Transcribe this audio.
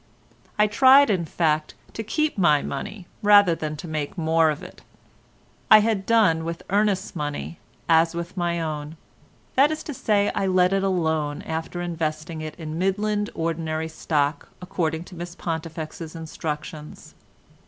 I tried in fact to keep my money rather than to make more of it. I had done with Ernest's money as with my own—that is to say I had let it alone after investing it in Midland ordinary stock according to Miss Pontifex's instructions.